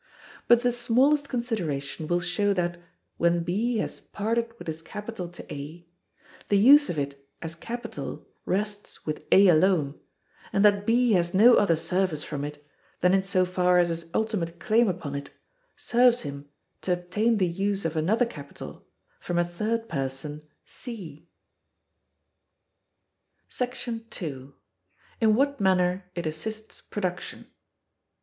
But the smallest consideration will show that, when B has parted with his capital to A, the use of it as capital rests with A alone, and that B has no other service from it than in so far as his ultimate claim upon it serves him to obtain the use of another capital from a third person, C. § 2. In what manner it assists Production.